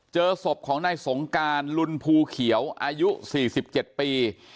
เจอศพของนายสงการลุนภูเขียวอายุสี่สิบเจ็ดปี